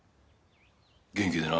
元気でな。